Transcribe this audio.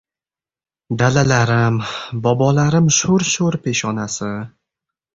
Dalalarim — bobolarim sho‘r-sho‘r peshonasi.